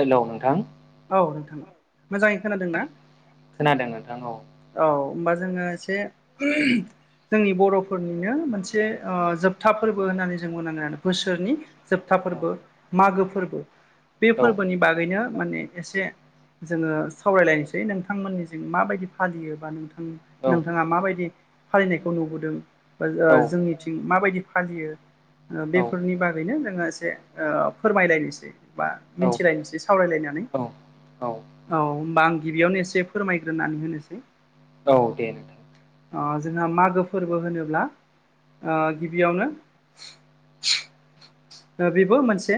हेल' नोंथां औ नोंथां मोजाङै खोनादों ना? खोनादों नोंथां औ औ होमबा जोङो एसे जोंनि बर'फोरनिनो मोनसे जोबथा फोरबो होननानै जों बुंनांगोन बोसोरनि जोबथा फोरबो मागो फोरबो बे औ फोरबोनि बागैनो माने एसे एसे जोङो सावरायलायनोसै नोंथांमोननिजों माबायदि फालियो बा नोंथां औ नोंथाङा माबायदि फालिनायखौ नुबोदों जोंनि बिथिं माबायदि फालियो औ बेफोरनि बागैनो जोङो एसे ओ फोरमायलायनोसै। बा औ मिथिलायनोसै सावरायलायनानै औ औ होमबा आं गिबियावनो एसे फोरमायग्रोनानै होनोसै। औ दे नोंथां जोंहा मागो फोरबो होनोब्ला ओ गिबियावनो बेबो मोनसे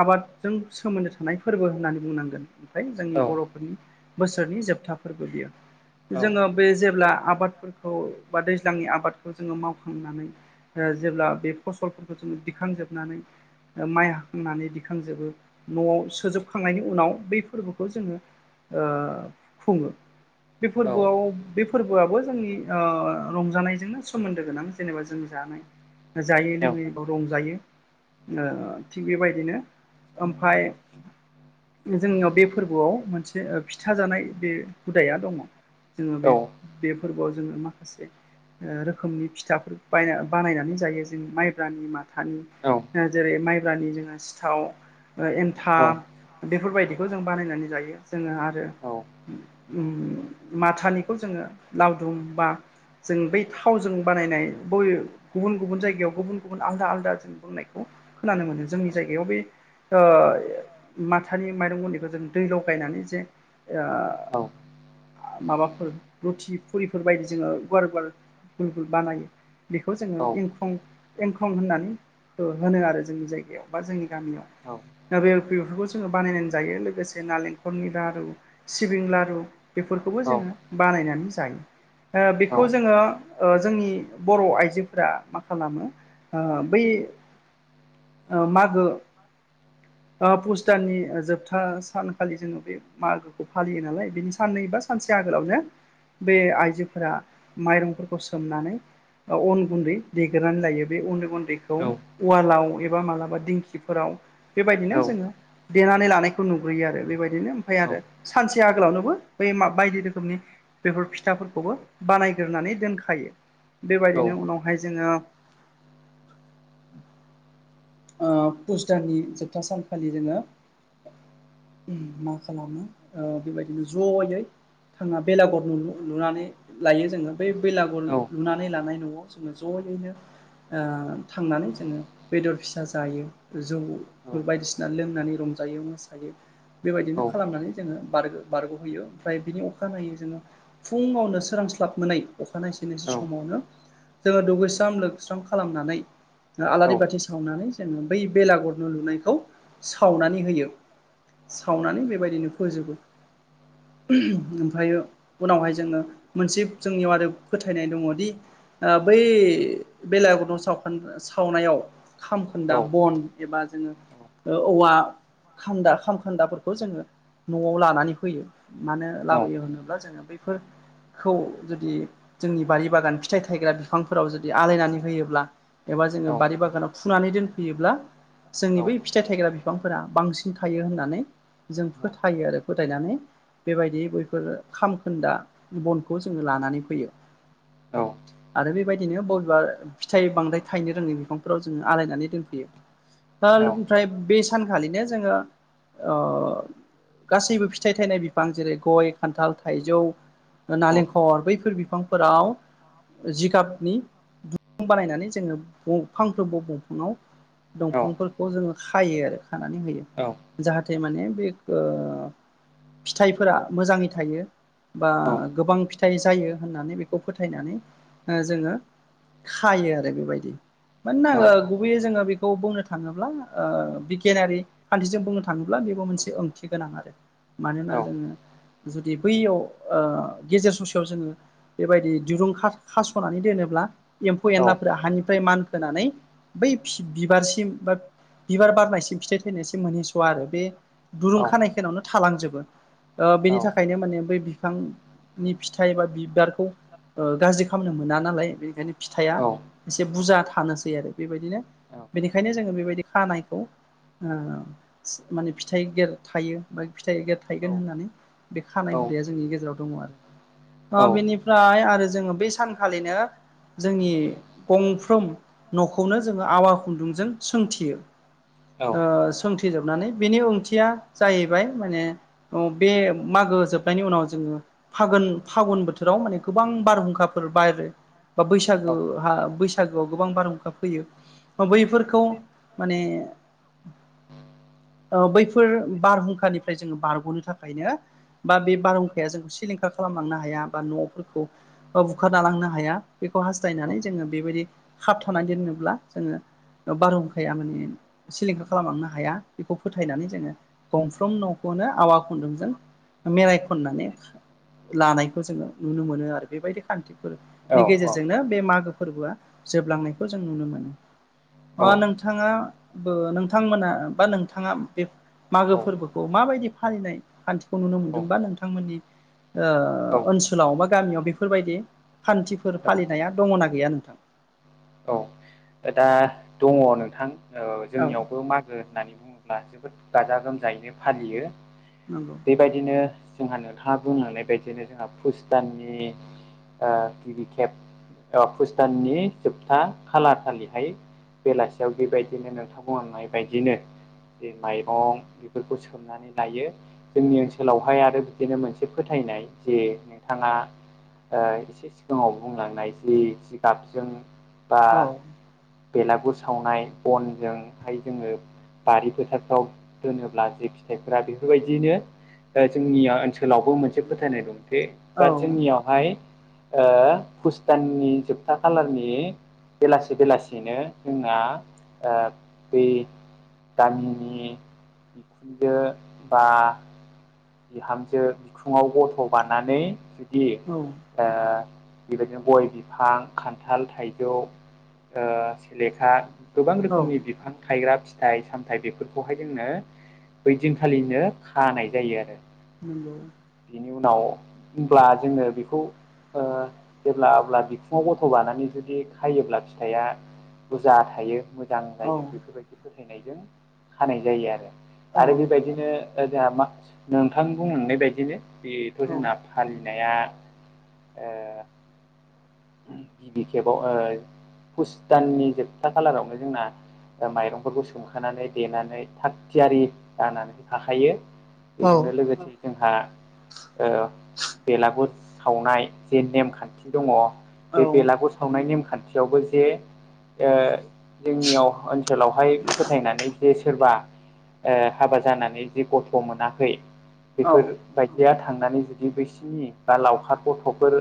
आबादजों सोमोन्दो थानाय फोरबो होननानै बुंनांगोन ओमफ्राय जोंनि औ बर'फोरनि बोसोरनि जोबथाफोरबो बियो। औ जोङो बे जेब्ला आबादफोरखौ बा दैज्लांनि आबादखौ जोङो मावखांनानै जेब्ला बे फसलफोरखौ जोङो दिखांजोबनानै माइ हाखांनानै दिखांजोबो न'आव सोजोबखांनायनि उनाव बै फोरबोखौ जोङो ओ खुङो बे औ फोरबोआव बे फोरबोआबो जोंनि ओ रंजानायजोंनो सोमोन्दो गोनां। जेनेबा जों जानाय जायो लोङै रंजायो। थिग बेबायदिनो ओमफाय जोंनियाव बे फोरबोआव मोनसे फिथााजानाय बे हुदाया दङ। जोङो बे औ बे फोरबोआव जोङो माखासे ओ रोखोमनि फिथाफोर बायना बानायनानै जायो जों माइब्रानि माथानि। औ जेरै माइब्रानि जोङो सिथाव एन्थाब बेफोरबायदिखौ जों बानायनानै जायो जोङो आरो औ माथानिखौ जोङो लावदुम बा जों बै थावजों बानायनाय ब गुबुन गुबुन जायगायाव गुबुन गुबुन आलदा आलदा जों बुंनाय खोनानो मोनो जोंनि जायगायाव बे ओ माथानि माइरं गन्दैखौ जों दै लगायनानै जे ओ माबाफोर रुथि फुरिफोर बायदि जोङो गुवार गुवार गुल गुल बानायो। बेखौ जोङो एंखं एंखं होननानै होनो आरो जोंनि जायगायाव बा जोंनि गामियाव। औ ना बेल बेफोरखौ जोङो बानायनानै जायो लोगोसे नालेंखलनि लारु सिबिं लारु बेफोरखौबो जोङो बानायनानै जायो। ओ बेखौ जोङो जोंनि बर' आइजोफोरा मा खालामो? बै मागो पुसताननि जोबथा सानखालि जोङो बे मागोखौ फालियो नालाय बिनि साननै बा सानसे आगोलावनो बे आइजोफोरा माइरंफोरखौ सोमनानै अन गुन्दै दैगोरानै लायो बे अन गुन्दैखौ फालाव एबा मालाबा दिंखिफोराव बेबायदिनो जोङो देनानै लानायखौ नुग्रोयो आरो बेबायदिनो ओमफ्राय आरो सानसे आगोलावनोबो बै मा बायदि रोखोमनि बेफोर फिथाफोरखौबो बानायग्रोनानै दोनखायो बेबायदिनो उनावहाय जोङो पुस दाननि जोबथा सानखालि जोङो मा खालामो बेबायदिनो जयै थाङा बेलागर नुनानै लायो जोङो बै बेलागुर लुनानै लानाय न'आव जोङो ज'यैनो थांनानै जोङो बेदर फिसा फिसा जायो जौफोर बायदिसिना लोंनानै रंजायो मोसायो। बेबायदिनो खालामनानै जोङो बार बारग'होयो ओमफ्राय बिनि अखानायै जोङो फुङावनो सोरांस्लाब मोननाय अखानायनायसे नायसे समावनो जोङो दुगैस्रां लोबस्रां खालामनानै आलारि बाथि सावनानै जोङो बै बेलागर न लुनायखौ सावनानै होयो सावनानै बेबायदिनो फोजोबो ओमफ्रायो उनावहाय जोङो मोनसे जोंनि मादै फोथायनाय दङदि बै बेलाायावगुदुं सावखोन सावनायाव खामखोन्दा बन एबा जोङो औवा खान्दा खामखान्दाफोरखौ जोङो न'आव लानानै होयो। मानो लाबोयो होनोब्ला जोङो बैफोर खौ जुदि जोंनि बारि बागान फिथाइ थायग्रा बिफांफोराव जुदि आलायनानै होयोब्ला। एबा जोङो बारि बागानाव फुनानै दोनफैयोब्ला जोंनि बै फिथाइ थायग्रा बिफांफोरा बांसिन थायो होननानै जों फोथायो आरो फोथायनानै बेबायदि बैफोर खामखोन्दा बनखौ जोङो लानानै फैयो। आरो बेबायदिनो बबेबा फिथाइ बांद्राय थायनो रोङै बिफांफोराव जोङो आलायनानै दोन दा ओमफ्राय बे सानखालिनो जोङो गासैबो फिथाइ थायनाय बिफां जेरै गय खान्थाल थाइजौ नालेंखर बैफोर बिफांफोराव जिगाबनि दुं बानायनानै जोङो फांफ्रोमबो दंफाङाव दंफांफोरखौ जोङो खायो आरो खानानै होयो। औ। जाहाथे माने बे फिथाइफोरा मोजाङै थायो। बा गोबां फिथाइ जायो होननानै बेखौ फोथायनानै जोङो खायो आरो बेबायदि मानोना आङो गुबैयै जोङो बे खौ बुंनो थाङोब्ला बिगियानारि खान्थिजों बुंनो थाङोब्ला बेबो मोनसे ओंथि गोनां आरो मानोना जोङो जुदि बैयाव गेजेर ससेयाव जोङो बेबायदि दिरुं खास'नानै दोनोब्ला एम्फौ औ एनलाफोरा हानिफ्राय मानखोनानै बै बिबारसिम बा बिबार बारनायसिम फिथाइ थैनायसिम मोनहैस' आरो बे दुरुं औ खानायखौनावनो थालांजोबो औ बेनि औ थाखायनो माने बै बिफां नि फिथाइ एबा बिबारखौ गाज्रि खालामामनो मोना नालाय बेनिखायनो फिथाइआ एसे बुरजा थानोसै आरो बेबायदिनो बेनिखायनो जोङो बेबायदि खानायखौ ओ माने फिथाइ गेेर थायो बा फिथाइ गेेर थाइगोन होननानै बे खानाय हुदाया जोंनि गेजेराव दङ आरो। बेनिफ्राय आरो जोङो बे सानखालिनो जोंनि गंफ्रोम न'खौनो जोङो आबा। नोंजों सोंथि सोंथिजोबनानै बिनि ओंथिया जाहैबाय माने अ बे मागो जोबनायनि उनाव जोङो फागोन फागुन बोथोराव माने गोबां बारहुंखाफोर बायरै बा बैसागो बैसागोआव गोबां बारहुंखा फैयो। बैफोरखौ माने। बैफोर बारहुंखानिफ्राय जोङो बारग'नो थाखायनो। बा बे बारहुंखाया जोंखौ सिलिंखा खालामलांनो हाया बा न'फोरखौ। बुखारना लांनो हाया बेखौ हास्थायनानै जोङो बेबायदि खाबथानानै दोननोब्ला जोङो। बार' बुंखाया माने सिलिंखार खालामलांनो हाया बेखौ फोथायनानै जोङो गंफ्रोम न'खौनो आवा खुन्दुंजों मेराय खननानै लानायखौ जोङो नुनो मोनो आरो बेबायदि खान्थिखौ। फोरनि गेजेरजोंनो बे मागो फोरबोआ जोबलांनायखौ जों नुनो मोनो। अ नोंथाङा नोंथांमोना बा नोंथाङा बे मागो फोरबोखौ माबायदि फालिनाय खान्थिखौ नुनो मोनदों बा नोंथांमोननि। औ ओनसोलाव बा गामियाव बेफोरबायदि खान्थिफोर औ औ फालिनाया दङना गैया नोंथां। औ दा दङ नोंथां औ जोंनियावबो मागो होननानै बुङोबो। ब्ला जोबोद गाजा गोमजायैनो फालियो। नांगौ। बेबायदिनो जोंहा न हहा बुंलांनाय बायदिनो जोंहा फुस दाननि। गिबि खेब भुसताननि जोबथा खालार सालिहाय बेलासियाव बेबायदिनो नोंथां अनाय बायदिनो। ज माइरं बेफोरखौ सोम नानै लायो जोंनि ओनसोलावहाय आरो बिदिनो मोनसे फोथायनाय जे नोंथाङा। एसे सिगाङाव बुंलांनाय जि जिगाबजों बा औ बेलागुर सावनाय बनजोंहाय जोङो। बारि फोथारफ्राव दोनोब्ला जे फिथाइफोरा बेफोरबायदिनो जोंनिया ओनसोलावबो मोनसे फोथायनाय दंथे औ बा जोंनिया ज एसे बेलासिनो जोंना बै गामिनि। बिखुनदो बा बिहामजो बिखुङाव गथ' बनानै जुदि। औ। बेबायदिनो गय बिफां खान्थाल थाइजौ। सेलेखा गोबां औ रोखोमनि बिफां। थायग्रा फिथाइ सामथायाइ बेफोरखौहाय जोंनो ओैदिनखालिनो खानाय जायो आरो नोंगौ। बेनि उनाव होनब्ला जोङो बेखौ। जेब्ला अब्ला बिखुङाव गथ' बानानै जुदि खायोब्ला फिथाइया। बुरजा थायो मोजां औ जायो बेफोरबायदि फोथायनायजों खानाय जायो आरो औ आरो बेबायदिनो। जोंहा मा नोंथां बुंननाय बायदिनो बेथ' औ जोंना फालिनाया ए गिबि खेबाव हुस दाननि जोबथा खालारावनो जोंना माइरंफोरखौ सोमखानानै देनानै थाग थियारि जानानानै थाखायो बेदिल ग जोंहा बेलागुर सावनाय जे नेमखान्थि दङ। बे बेलागुर सावनाय नेमखान्थियावबो जे जोंनियाव ओनसोलावहाय फोथायनानै जे सोरबा हाबा जानानै जिे गथ' मोनाखै औ बेफोर बायदिया थांनानै जुदि बैसिनि बा लावखार गथ'फोर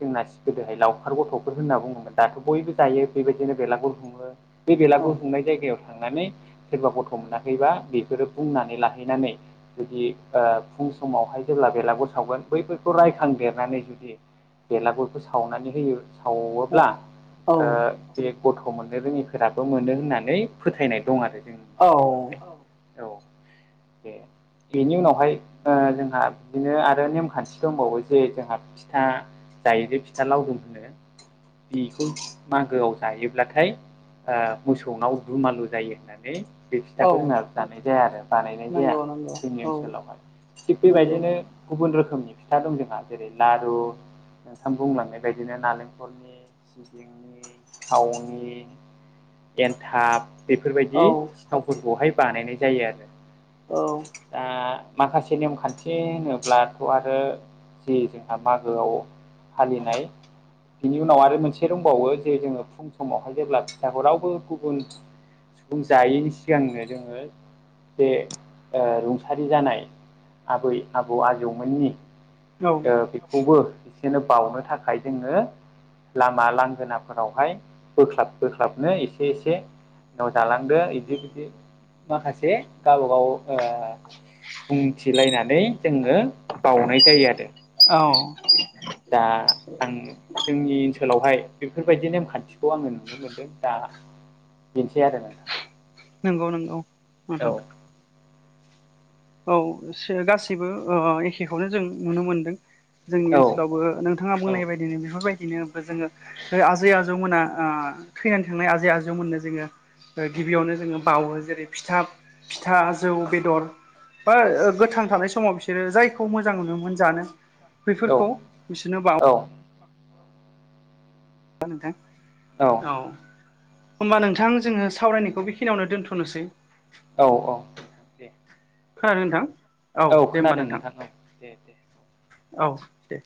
जोंनासि गोदोहाय लावखार गथ'फोर होनना बुङोमोन दाथ' बयबो जायो बेबायदिनो बेलागुर हुङो बे बेलागु हुंनाय जायगायाव थांनानै सोरबा गथ' मोनाखैबा बेफोरो बुंनानै लाहैनानै जुदि फुं समावहाय जेब्ला बेलागुर सावगोन बैफोरखौ रायखांदेरनानै जुदि बेलागुरखौ सावनानै होयो सावोब्ला बे गथ' मोननो रोङिफोराबो मोनो होननानै फोथायनाय दं आरो जों औ औ बे बेनि उनावहाय ओ जोंहा बिदिनो आरो नेमखान्थि दंबावो जे जोंहा फिथा जायोदो फिथा लावदुम होनो बेखौ मागोआव जायोब्लाथाय ओ मोसौनाव दुमालु जायो होननानै बे औ फिथाखौ जोंना दानाय जाया आरो बानायनाय जाया नंगौ नंगौ जोंनि औ ओनसोलावहाय थिग नंगौ बेबायदिनो गुबुन रोखोमनि फिथा दं जोंहा जेरै लारु नोंथां बुंलां बेबायदिनो नालेंखरनि नि थावनि एन्थाब बेफोरबायदि औ सिथावफोरखौहाय बानायनाय जायो आरो औ दा माखासे नेमखान्थि होनोब्लाथ' आरो जि जोंहा मागोआव फालिनाय बिनि उनाव आरो मोनसे दंबावो जे जोङो फुं समावहाय जेब्ला फिथाखौ रावबो गुबुन [unintelligible] जायैनि सिगांनो जोङो जे ओ रुंसारि जानाय आबै आबौ आजौमोननि ओ बेखौबो एसेनो बावनो थाखाय जोङो लामा लांगोनाफोरावहाय बोख्लाब बोख्लाबनो एसे एसे न' जालांदो बिदि बिदि माखासे गावब गाव बुंथिलायनानै जोङो बावनाय जायो आरो औ [inaudible] दा आङो जोंनि ओनसोलावहाय बेफोरबायदि नेमखान्थिखौ आङो नुनो मोनदों दा बेनोसै आरो नोंथां नंगौ नंगौ औ नोंथां औ एसे गासैबो एखेखौनो जों नुनो मोनदों जोंनि औ ओनसोलावबो नोंथां थाङा औ बुंनाय बायदिनो बेफोरबायदिनो जोङो आजै आजौमोना ओ थैनानै थांनाय आजै आजौमोननो जोङो ओ गिबियावनो जोङो बावो जेरै फिथा फिथा जौ बेदर बा गोथां थानाय समाव बिसोरो जायखौ मोजां मोनोमोन जानो औ बेैफोरखौ बिसोरनो बा ना नोंथां औ होमबा नोंथां जोङो सावरायनायखौ बेखिनियावनो दोन्थ'नोसै औ औ नोंथां दे खोनादों नोंथां औ दे होमबा खोनादों नोंथां औ दे दे औ दे